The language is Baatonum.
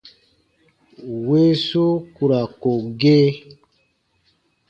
Weesu ku ra ko gee.